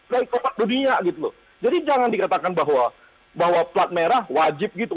dari kota dunia gitu loh jadi jangan dikatakan bahwa plat merah wajib gitu